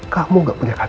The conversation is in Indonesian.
kamu gak punya kadirnya